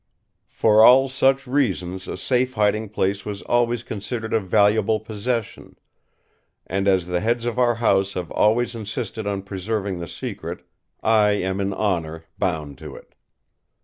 For all such reasons a safe hiding place was always considered a valuable possession; and as the heads of our House have always insisted on preserving the secret, I am in honour bound to it.